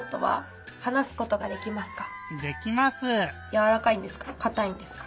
やわらかいんですか？